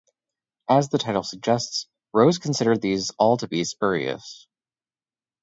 As the title suggests, Rose considered these all to be spurious.